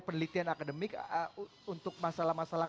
penelitian akademik untuk masalah masalah